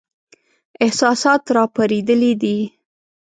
احساسات را پارېدلي دي.